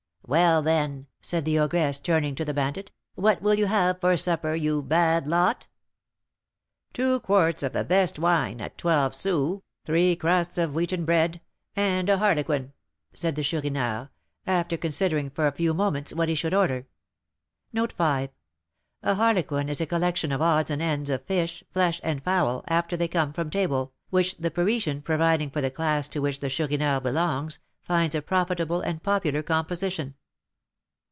"Well, then," said the ogress, turning to the bandit, "what will you have for supper, you 'bad lot?'" "Two quarts of the best wine, at twelve sous, three crusts of wheaten bread, and a harlequin," said the Chourineur, after considering for a few moments what he should order. A "harlequin" is a collection of odds and ends of fish, flesh, and fowl, after they come from table, which the Parisian, providing for the class to which the Chourineur belongs, finds a profitable and popular composition.